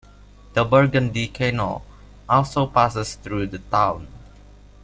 The Burgundy Canal also passes through the town.